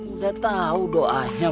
udah tau doanya